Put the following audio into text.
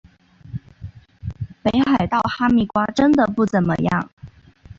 北海道哈密瓜真的不怎么样